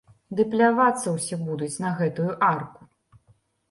Ды плявацца ўсе будуць на гэтую арку.